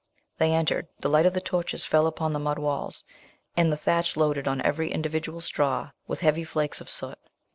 They entered; the light of their torches fell upon the mud walls, and the thatch loaded on every individual straw with heavy flakes of soot.